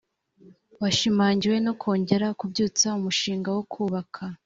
washimangiwe no kongera kubyutsa umushinga wo kubaka